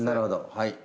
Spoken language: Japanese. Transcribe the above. はい。